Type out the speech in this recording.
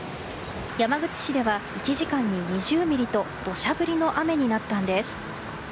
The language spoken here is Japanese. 山口市では１時間に２０ミリと土砂降りの雨となったんです。